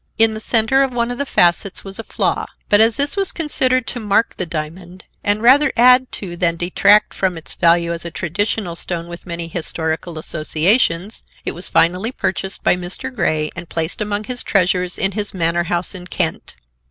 In the center of one of the facets was a flaw, but, as this was considered to mark the diamond, and rather add to than detract from its value as a traditional stone with many historical associations, it was finally purchased by Mr. Grey and placed among his treasures in his manor house in Kent.